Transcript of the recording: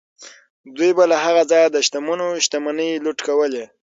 دوی به له هغه ځایه د شتمنو شتمنۍ لوټ کولې.